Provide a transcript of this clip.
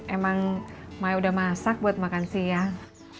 emang maya udah masak buat makan siang